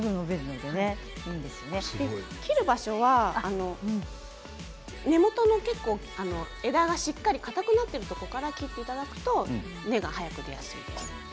切る場所は根元の枝がしっかりとかたくなっているところから切っていただくと根っこが生えます。